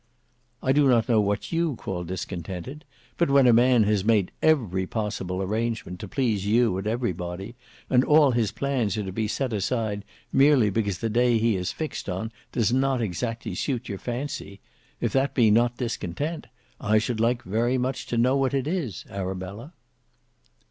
"I do not know what you call discontented; but when a man has made every possible arrangement to please you and every body, and all his plans are to be set aside merely because the day he has fixed on does not exactly suit your fancy, if that be not discontent, I should like very much to know what is, Arabella."